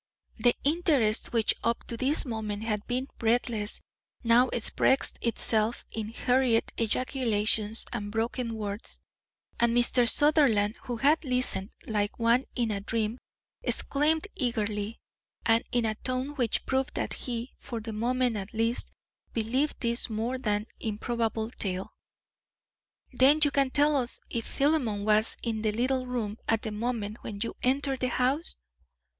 The interest, which up to this moment had been breathless, now expressed itself in hurried ejaculations and broken words; and Mr. Sutherland, who had listened like one in a dream, exclaimed eagerly, and in a tone which proved that he, for the moment at least, believed this more than improbable tale: "Then you can tell us if Philemon was in the little room at the moment when you entered the house?"